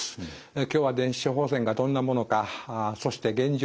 今日は電子処方箋がどんなものかそして現状